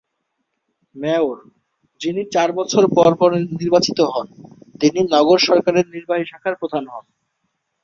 Mayor, যিনি প্রতি চার বছর পর নির্বাচিত হন, তিনি নগর সরকারের নির্বাহী শাখার প্রধান হন।